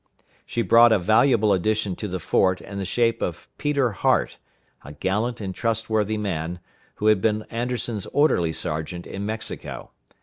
She brought a valuable addition to the fort in the shape of Peter Hart, a gallant and trustworthy man, who had been Anderson's orderly sergeant in Mexico.